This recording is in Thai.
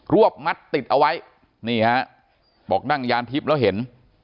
วบมัดติดเอาไว้นี่ฮะบอกนั่งยานทิพย์แล้วเห็น